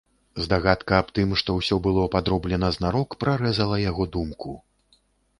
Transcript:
Здагадка аб тым, што ўсё было падроблена знарок, прарэзала яго думку.